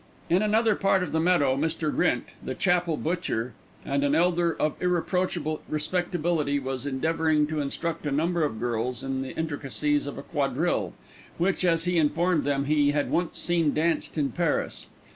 In another part of the meadow Mr. Grint, the chapel butcher, and an elder of irreproachable respectability, was endeavouring to instruct a number of girls in the intricacies of a quadrille, which, as he informed them, he had once seen danced in Paris.